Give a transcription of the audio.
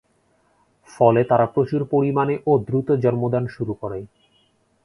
ফলে তারা প্রচুর পরিমানে ও দ্রুত জন্মদান শুরু করে।